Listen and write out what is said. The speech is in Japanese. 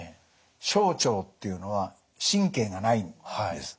小腸っていうのは神経がないんです。